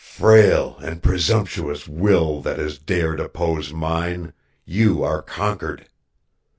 "Frail and presumptuous Will that has dared oppose mine, you are conquered.